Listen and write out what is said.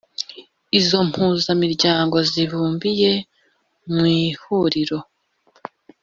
Izo mpuzamiryango zibumbiye mu Ihuriro